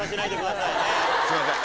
すいません。